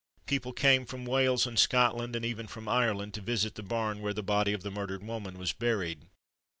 People came from Wales and Scotland, and even from Ireland, to visit the barn where the body of the murdered woman was buried.